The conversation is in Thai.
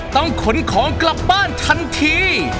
ต้องขนของกลับบ้านทันที